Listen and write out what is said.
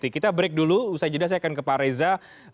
kita break dulu usai jeda saya akan ke pak reza